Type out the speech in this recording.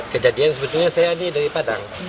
kejadian sebetulnya saya ini dari padang